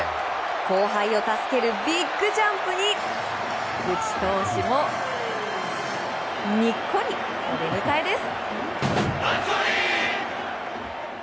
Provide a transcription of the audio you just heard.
後輩を助けるビッグジャンプに内投手もニッコリお出迎えです。